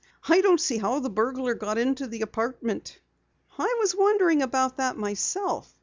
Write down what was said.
I don't see how the burglar got into the apartment." "I was wondering about that myself.